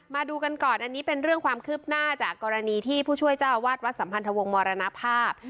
มาดูกันก่อนอันนี้เป็นเรื่องความคืบหน้าจากกรณีที่ผู้ช่วยเจ้าอาวาสวัดสัมพันธวงศ์มรณภาพ